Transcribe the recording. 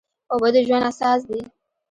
اوبه د ژوند اساس دي.